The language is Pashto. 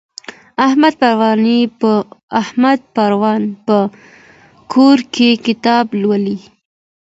احمد پرون په کور کي کتاب لوستی.